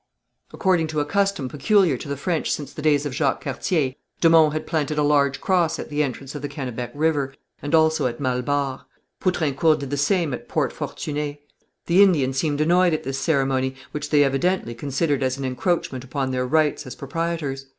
According to a custom peculiar to the French since the days of Jacques Cartier, de Monts had planted a large cross at the entrance of the Kennebec River, and also at Mallebarre. Poutrincourt did the same at Port Fortuné. The Indians seemed annoyed at this ceremony, which they evidently considered as an encroachment upon their rights as proprietors.